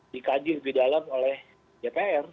dikaji lebih dalam oleh dpr